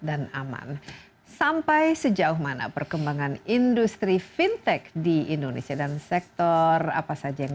dan aman sampai sejauh mana perkembangan industri fintech di indonesia dan sektor apa saja yang